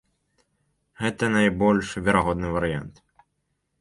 Гэта найбольш верагодны варыянт.